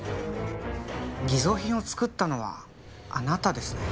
偽造品を作ったのはあなたですね？